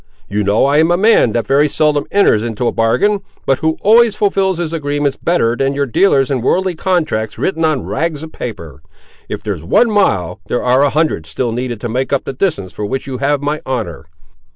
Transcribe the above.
You know I'm a man that very seldom enters into a bargain, but who always fulfils his agreements better than your dealers in wordy contracts written on rags of paper. If there's one mile, there ar' a hundred still needed to make up the distance for which you have my honour."